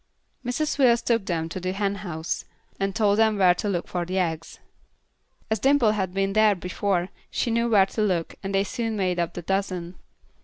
Mrs. Wills took them to the hen house, and told them where to look for eggs. As Dimple had been there before, she knew where to look, and they soon made up the dozen.